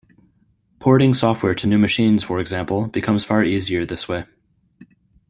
Porting software to new machines, for example, becomes far easier this way.